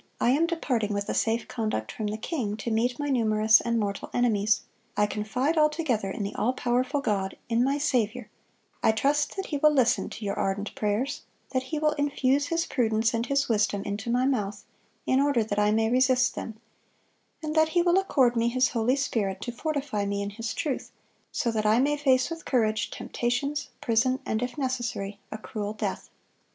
I am departing with a safe conduct from the king, to meet my numerous and mortal enemies.... I confide altogether in the all powerful God, in my Saviour; I trust that He will listen to your ardent prayers, that He will infuse His prudence and His wisdom into my mouth, in order that I may resist them; and that He will accord me His Holy Spirit to fortify me in His truth, so that I may face with courage, temptations, prison, and if necessary, a cruel death.